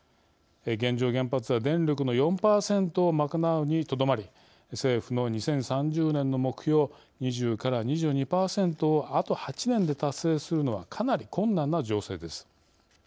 現状、原発は電力の４％を賄うにとどまり政府の２０３０年の目標２０２２％をあと８年で達成するのはかなり困難な情勢です。